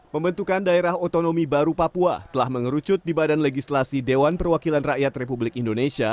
pembentukan daerah otonomi baru papua telah mengerucut di badan legislasi dewan perwakilan rakyat republik indonesia